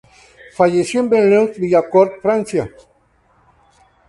Falleció en Boulogne-Billancourt, Francia.